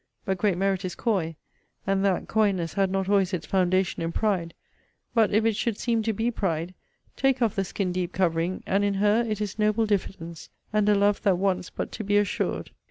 But great merit is coy, and that coyness had not always its foundation in pride: but if it should seem to be pride, take off the skin deep covering, and, in her, it is noble diffidence, and a love that wants but to be assured!